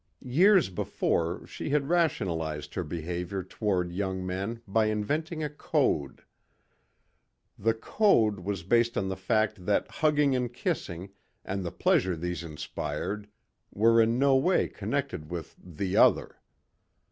Years before she had rationalized her behavior toward young men by inventing a code. The code was based on the fact that hugging and kissing and the pleasure these inspired were in no way connected with "the other."